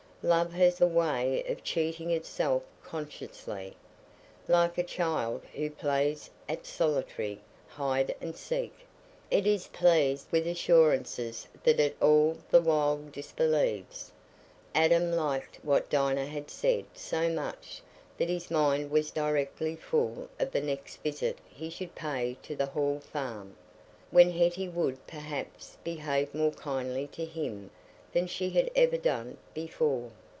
Love has a way of cheating itself consciously, like a child who plays at solitary hide and seek; it is pleased with assurances that it all the while disbelieves. Adam liked what Dinah had said so much that his mind was directly full of the next visit he should pay to the Hall Farm, when Hetty would perhaps behave more kindly to him than she had ever done before.